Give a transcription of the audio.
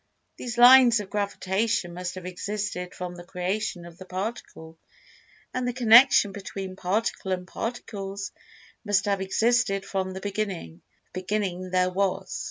These lines of Gravitation must have existed from the creation of the Particle, and the connection between Particle and Particles must have existed from the beginning, if beginning there was.